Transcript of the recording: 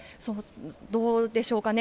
どうでしょうかね。